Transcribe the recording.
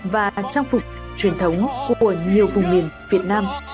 và trang phục truyền thống của nhiều vùng miền việt nam